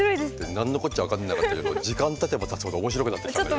何のこっちゃ分かんなかったけど時間たてばたつほど面白くなってきたんだけど。